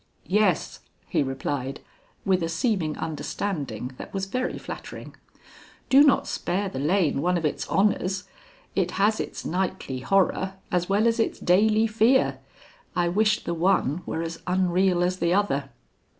"Yes," he replied, with a seeming understanding that was very flattering; "do not spare the lane one of its honors. It has its nightly horror as well as its daily fear. I wish the one were as unreal as the other."